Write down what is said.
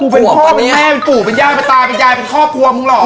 กูเป็นพี่กูเป็นแม่กูเป็นยายปะตายเป็นยายเป็นคอบครัวมึงหรอก